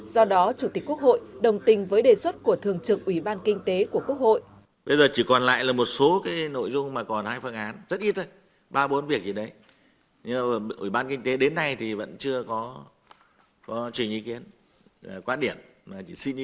do đó chủ tịch quốc hội đồng tình với đề xuất của thường trực ủy ban kinh tế của quốc hội